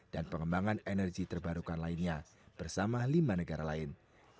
dan pengembangan energi terbarukan lainnya bersama lima negara lain